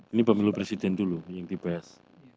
ini pemilu presiden dulu yang dibahas